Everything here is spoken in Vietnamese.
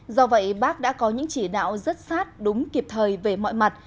do vậy bác đã có những chỉ đạo rất sát đúng kịp thời về mọi mặt